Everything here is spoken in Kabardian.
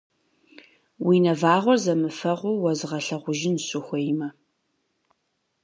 Уи нэвагъуэр зэмыфэгъуу уэзгъэлъэгъужынщ, ухуеймэ!